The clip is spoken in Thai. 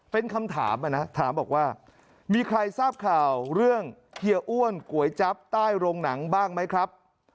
เป็นคำถามนะถามบอกว่ามีใครทราบข่าวเรื่องเฮียอ้วนก๋วยจั๊บใต้โรงหนังบ้างไหมครับ